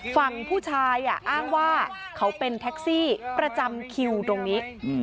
ฝั่งผู้ชายอ้างว่าเขาเป็นแท็กซี่ประจำคิวตรงนี้